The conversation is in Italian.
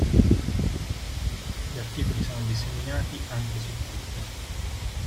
Gli articoli sono disseminati anche su Twitter.